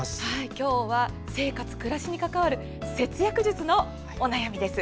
今日は生活、暮らしに関わる節約術のお悩みです。